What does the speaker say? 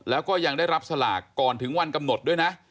แล้วก็ยังได้รับสลากก่อนถึงวันกำหนดด้วยนะ